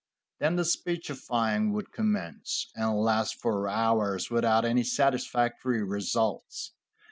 Then the speechifying would commence, and last for hours without any satisfactory results.